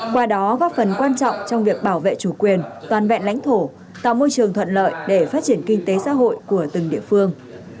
qua đó góp phần quan trọng trong việc bảo vệ chủ quyền toàn vẹn lãnh thổ tạo môi trường thuận lợi để phát triển kinh tế xã hội của từng địa phương